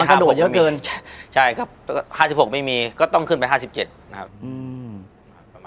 กระโดดเยอะเกินใช่ก็๕๖ไม่มีก็ต้องขึ้นไป๕๗นะครับ